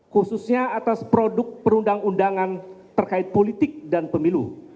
khususnya atas produk perundang undangan terkait politik dan pemilu